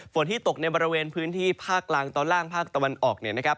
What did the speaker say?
ที่ตกในบริเวณพื้นที่ภาคกลางตอนล่างภาคตะวันออกเนี่ยนะครับ